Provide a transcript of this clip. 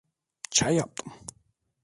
Çay yaptım.